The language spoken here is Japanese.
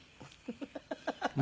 ハハハハ。